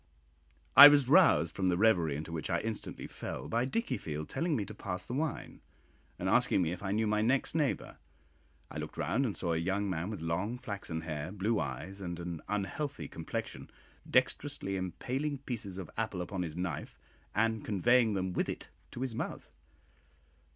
I was roused from the reverie into which I instantly fell by Dickiefield telling me to pass the wine, and asking me if I knew my next neighbour. I looked round and saw a young man with long flaxen hair, blue eyes, and an unhealthy complexion, dexterously impaling pieces of apple upon his knife, and conveying them with it to his mouth.